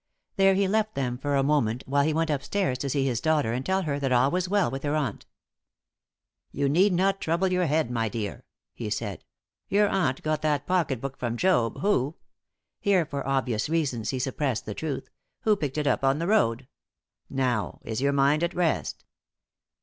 There he left them for a moment while he went upstairs to see his daughter and tell her that all was well with her aunt. "You need not trouble your head, my dear," he said. "Your aunt got that pocket book from Job, who" here, for obvious reasons, he suppressed the truth "who picked it up on the road. Now, is your mind at rest?"